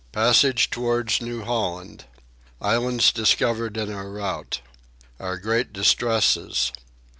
Passage towards New Holland. Islands discovered in our Route. Our great Distresses.